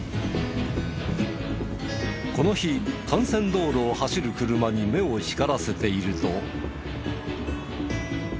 この日幹線道路を走る車に目を光らせていると。